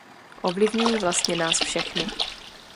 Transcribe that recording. Ovlivňují vlastně nás všechny.